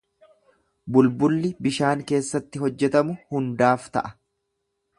Bulbulli bishaan keessatti hojjetamu hundaaf ta’a.